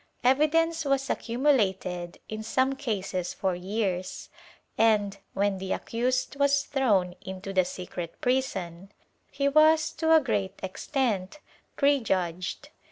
Evidence was accumulated, in some cases for years, and, when the accused was thrown into the secret prison, he was to a great extent prejudged.